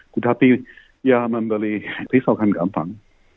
tetapi ya membeli risol kan gampang